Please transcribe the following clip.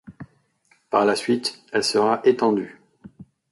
Par la suite, elle sera étendue.